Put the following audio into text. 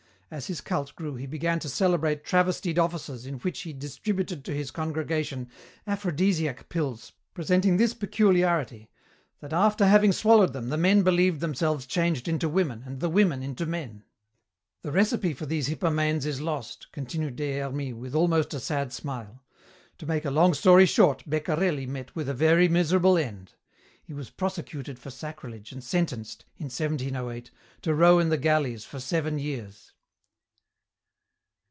As his cult grew he began to celebrate travestied offices in which he distributed to his congregation aphrodisiac pills presenting this peculiarity, that after having swallowed them the men believed themselves changed into women and the women into men. "The recipe for these hippomanes is lost," continued Des Hermies with almost a sad smile. "To make a long story short, Beccarelli met with a very miserable end. He was prosecuted for sacrilege and sentenced, in 1708, to row in the galleys for seven years."